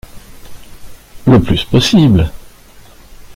Le plus possible.